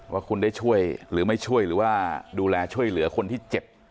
ว่าคุณได้ช่วยหรือไม่ช่วยหรือว่าดูแลช่วยเหลือคนที่เจ็บ